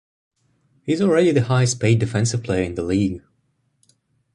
He's already the highest-paid defensive player in the league.